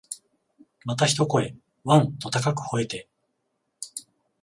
また一声、わん、と高く吠えて、